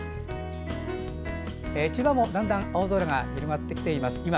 千葉もだんだん青空が広がってきています。